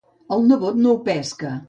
El nebot no ho pesca.